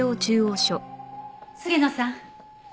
菅野さん。